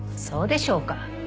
そうでしょうか？